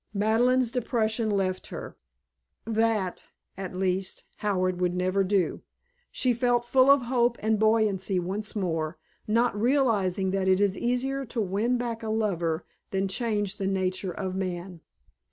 Madeleine's depression left her. That, at least, Howard would never do. She felt full of hope and buoyancy once more, not realizing that it is easier to win back a lover than change the nature of man.